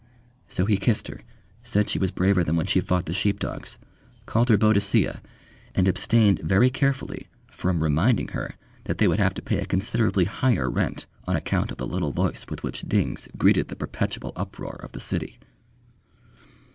So he kissed her, said she was braver than when she fought the sheep dogs, called her Boadicea, and abstained very carefully from reminding her that they would have to pay a considerably higher rent on account of the little voice with which Dings greeted the perpetual uproar of the city.